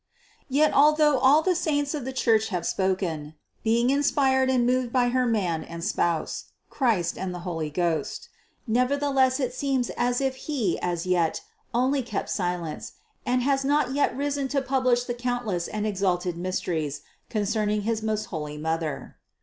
Yet although all the saints of the Church have spoken, being inspired and moved by her Man and Spouse, Christ and the Holy Ghost, never theless it seems as if He has as yet only kept silence and has not yet risen to publish the countless and ex alted mysteries concerning his most holy Mother.